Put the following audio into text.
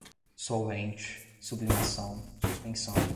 solvente, sublimação, suspensão